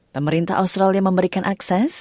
pemerintah australia memberikan akses